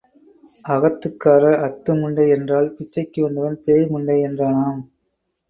அகத்துக்காரர் அத்து முண்டை என்றால், பிச்சைக்கு வந்தவன் பேய் முண்டை என்றானாம்.